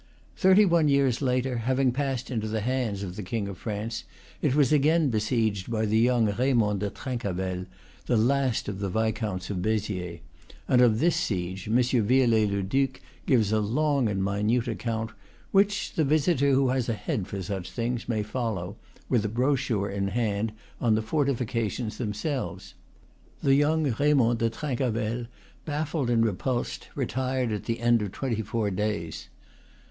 Thirty one years later, having passed into the hands of the King of France, it was again besieged by the young Raymond de Trincavel, the last of the viscounts of Beziers; and of this siege M. Viollet le Duc gives a long and minute account, which the visitor who has a head for such things may follow, with the brochure in hand, on the fortifications themselves. The young Raymond de Trincavel, baffled and repulsed, retired at the end of twenty four days.